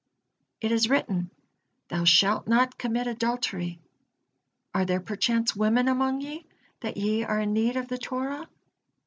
It is written: 'Thou shalt not commit adultery.' Are there perchance women among ye, that ye are in need of the Torah?